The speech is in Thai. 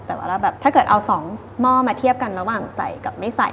แต่ว่าเราแบบถ้าเกิดเอา๒หม้อมาเทียบกันระหว่างใส่กับไม่ใส่